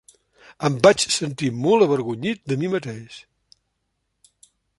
Em vaig sentir molt avergonyit de mi mateix.